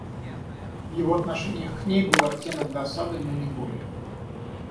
В его отношениях к ней был оттенок досады, но не более.